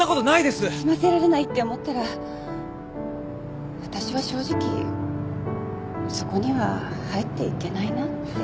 済ませられないって思ったら私は正直そこには入っていけないなって。